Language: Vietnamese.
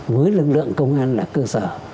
với lực lượng công an là cơ sở